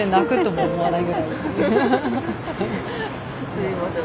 すいません